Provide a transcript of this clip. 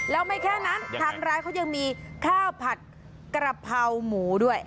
แล้วไม่แค่นั้นทางร้านเขายังมีข้าวผัดกระเพราหมูด้วย